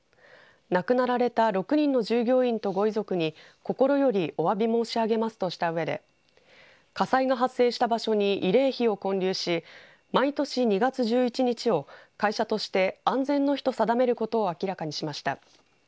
亡くなられた６人の従業員とご遺族に心よりおわび申し上げますとしたうえで火災が発生した場所に慰霊碑を建立し毎年２月１１日を会社として安全の日と定めることを明らかにしました。